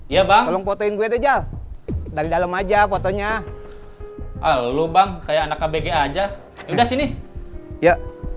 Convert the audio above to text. ya bang potong gue aja dari dalam aja fotonya alubang kayak anak kbga aja udah sini ya